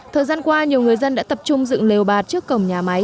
thời gian qua nhiều người dân đã tập trung dựng lều bạt trước cổng nhà máy